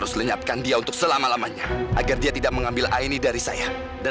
sampai jumpa di video selanjutnya